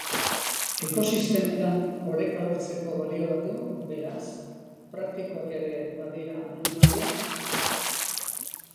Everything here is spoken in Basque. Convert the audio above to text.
Ekosistemetan oreka lortzeko balio badu, beraz, praktikoak ere badira animaliak?